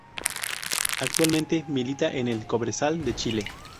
Actualmente milita en el Cobresal de Chile.